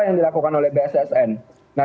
yang dilakukan oleh bssn nah